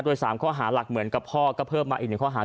โดย๓ข้อหาหลักเหมือนกับพ่อก็เพิ่มมาอีกหนึ่งข้อหา